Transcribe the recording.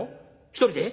一人で？